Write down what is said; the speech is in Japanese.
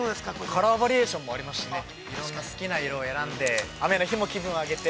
◆カラーバリエーションもありますから、好きな色を選んで、雨の日も気分上げて。